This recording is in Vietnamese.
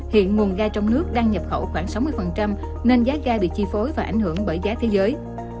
hiện nguồn ga trong nước đang nhập khẩu khoảng sáu mươi nên giá ga bị chi phối và ảnh hưởng bởi giá thế giới